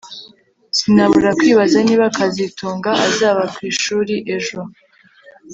Sinabura kwibaza niba kazitunga azaba ku ishuri ejo